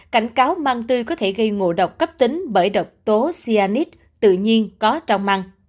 cảnh cáo măng tươi có thể gây ngộ độc cấp tính bởi độc tố cyanite tự nhiên có trong măng